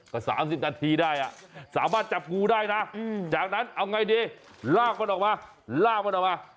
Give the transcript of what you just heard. ก็๓๐นาทีได้สามารถจับงูได้นะจากนั้นเอาไงดีลากมันออกมาลากมันออกมา